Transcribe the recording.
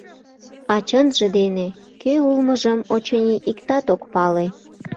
А чынже дене — кӧ улмыжым, очыни, иктат ок пале.